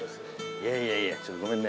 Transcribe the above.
いやいやいやちょっとごめんね。